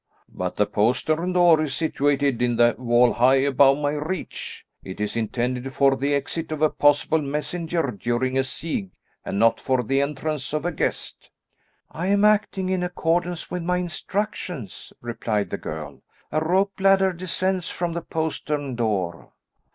"But the postern door is situated in the wall high above my reach; it is intended for the exit of a possible messenger during a siege and not for the entrance of a guest." "I am acting in accordance with my instructions," replied the girl. "A rope ladder descends from the postern door."